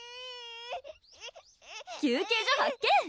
休憩所発見！